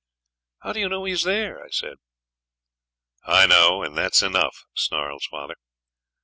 'How do you know he's there?' I said. 'I know, and that's enough,' snarls father.